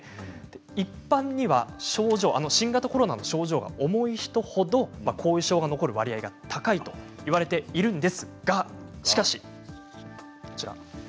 一般には症状新型コロナの症状が重い人ほど後遺症が残る割合が高いといわれているんですがしかしこちらです。